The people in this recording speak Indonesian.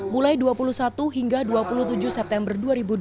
mulai dua puluh satu hingga dua puluh tujuh september dua ribu dua puluh